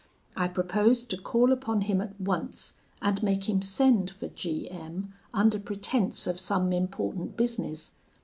I proposed to call upon him at once, and make him send for G M , under pretence of some important business.